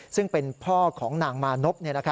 ซึ่งเป็นพ่อของนางมานพ